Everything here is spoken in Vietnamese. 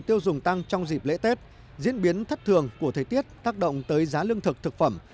tiêu dùng tăng trong dịp lễ tết diễn biến thất thường của thời tiết tác động tới giá lương thực thực phẩm